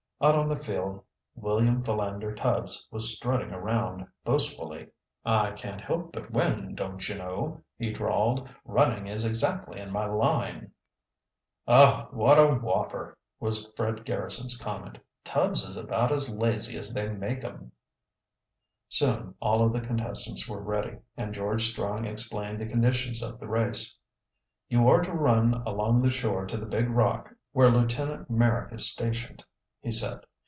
Out on the field William Philander Tubbs was strutting around boastfully. "I can't help but win, don't you know," he drawled. "Running is exactly in my line." "Oh, what a whopper!" was Fred Garrison's comment. "Tubbs is about as lazy as they make 'em." Soon all of the contestants were ready, and George Strong explained the conditions of the race. "You are to run along the shore to the big rock where Lieutenant Merrick is stationed," he said.